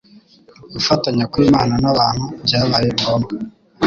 Gufatanya, kw'Imana n'abantu byabaye ngombwa,